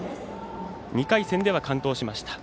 ２回戦では完投しました。